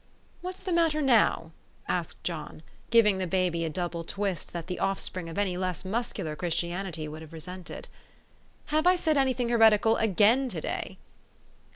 " What's the matter now ?" asked John, giving the baby a double twist that the offspring of any less THE STORY OF AVIS. 287 muscular Christianity would have resented. " Have I said any thing heretical again. to day?"